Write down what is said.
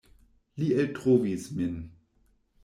Li eltrovis min.